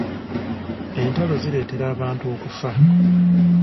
Entalo zireetera abantu okufa.